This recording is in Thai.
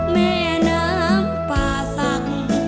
แม่น้ำป่าสั่ง